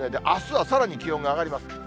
あすはさらに気温が上がります。